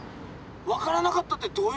わからなかったってどういうこと？